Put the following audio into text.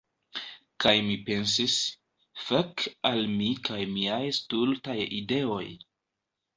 Kaj mi pensis: "Fek al mi kaj miaj stultaj ideoj!"